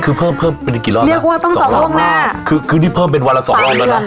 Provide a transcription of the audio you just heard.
คือเพิ่มเป็นกี่รอบเรียกว่าต้องสองร่องหน้าคือคือนี่เพิ่มเป็นวันละสองร่องแล้วนะ